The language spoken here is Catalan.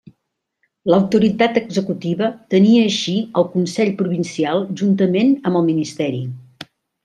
L'autoritat executiva tenia així el consell provincial juntament amb el ministeri.